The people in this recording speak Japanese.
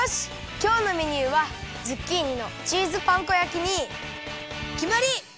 きょうのメニューはズッキーニのチーズパン粉焼きにきまり！